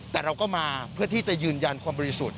แต่เราก็มาเพื่อที่จะยืนยันความบริสุทธิ์